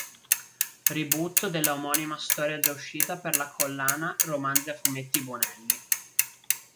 Reboot della omonima storia già uscita per la collana "Romanzi a fumetti Bonelli".